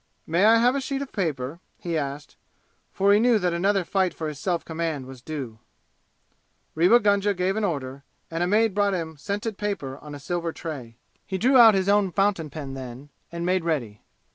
"May I have a sheet of paper?" he asked, for he knew that another fight for his self command was due. Rewa Gunga gave an order, and a maid brought him scented paper on a silver tray. He drew out his own fountain pen then and made ready.